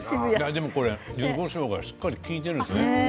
でもこれ、ゆずこしょうがしっかり利いているんですね。